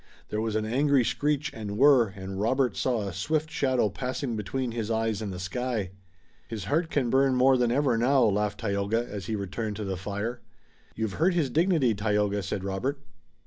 There was an angry screech and whirr and Robert saw a swift shadow passing between his eyes and the sky. "His heart can burn more than ever now," laughed Tayoga, as he returned to the fire. "You've hurt his dignity, Tayoga," said Robert.